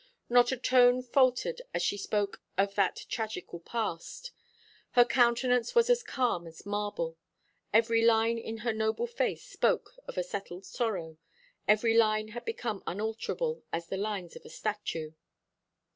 Not a tone faltered as she spoke of that tragical past. Her countenance was as calm as marble. Every line in the noble face spoke of a settled sorrow, every line had become unalterable as the lines of a statue.